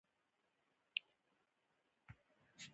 بزګان د افغان نجونو د پرمختګ لپاره فرصتونه برابروي.